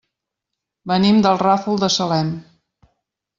Venim del Ràfol de Salem.